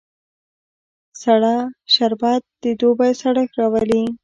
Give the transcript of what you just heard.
سړه شربت د دوبی سړښت راولي